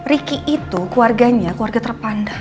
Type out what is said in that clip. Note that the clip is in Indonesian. riki itu keluarganya keluarga terpandang